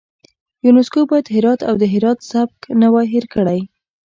یونسکو باید هرات او د هرات سبک نه وای هیر کړی.